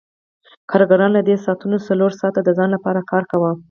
کارګرانو له دې ساعتونو څلور ساعته د ځان لپاره کار کاوه